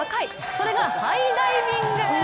それがハイダイビング！